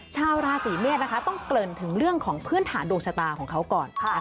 ชาวราศีเมษนะคะต้องเกริ่นถึงเรื่องของพื้นฐานดวงชะตาของเขาก่อน